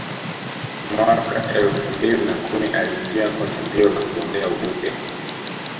Mwaka elfu mbili na kumi aliingia kwenye mbio za kugombea ubunge